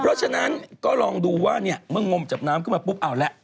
เพราะฉะนั้นก็ลองดูว่าเนี่ยเมื่องมจับน้ำขึ้นมาปุ๊บเอาละ